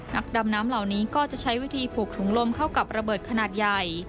นักดำน้ำเหล่านี้ก็จะใช้วิธีผูกถุงลมเข้ากับระเบิดขนาดใหญ่